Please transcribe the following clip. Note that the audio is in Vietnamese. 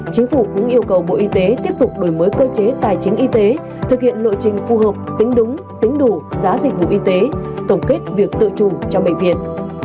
chính phủ cũng yêu cầu bộ y tế tiếp tục đổi mới cơ chế tài chính y tế thực hiện lộ trình phù hợp tính đúng tính đủ giá dịch vụ y tế tổng kết việc tự chủ cho bệnh viện